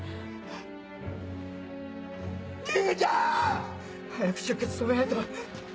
兄ちゃん‼早く出血止めないと！